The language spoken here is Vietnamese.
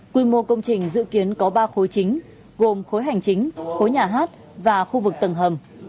quy mô công trình dự kiến có ba khối chính gồm khối hành chính khối nhà hát và khu vực tầng hầm